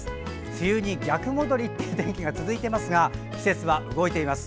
梅雨に逆戻りという天気が続いていますが季節は動いています。